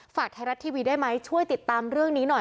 ฝากไทยรัฐทีวีได้ไหมช่วยติดตามเรื่องนี้หน่อย